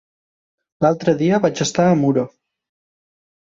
L'altre dia vaig estar a Muro.